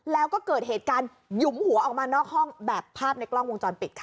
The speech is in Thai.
แล้วก็เกิดเหตุการณ์หยุมหัวออกมานอกห้องแบบภาพในกล้องวงจรปิดค่ะ